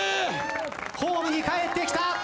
ホームに帰ってきた。